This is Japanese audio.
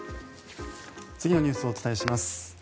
次のニュースをお伝えします。